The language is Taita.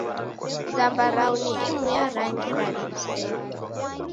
Zambarau ni imu ya rangi ra lusenge.